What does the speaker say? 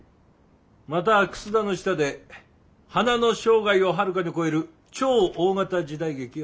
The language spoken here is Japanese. また楠田の下で「花の生涯」をはるかに超える超大型時代劇を作ってくれ。